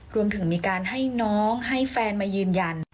รวมถึงมีการให้น้องให้แฟนมายืนยัน